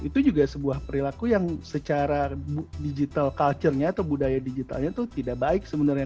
itu juga sebuah perilaku yang secara digital culture nya atau budaya digitalnya itu tidak baik sebenarnya